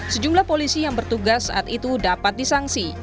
sejumlah polisi yang bertugas saat itu dapat disangsi